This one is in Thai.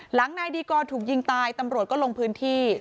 หลังนายดีกรถูกยิงตายตำรวจก็ลงพื้นที่